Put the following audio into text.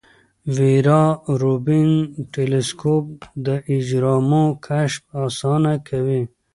ویرا روبین ټیلسکوپ د اجرامو کشف اسانه کوي.